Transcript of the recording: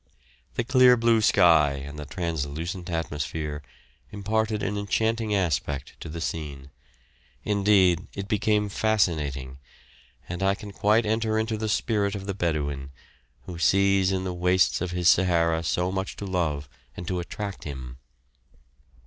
The clear blue sky and the translucent atmosphere imparted an enchanting aspect to the scene; indeed, it became fascinating, and I can quite enter into the spirit of the Bedouin, who sees in the wastes of his Sahara so much to love and to attract him.